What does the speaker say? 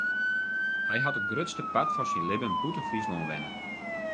Hy hat it grutste part fan syn libben bûten Fryslân wenne.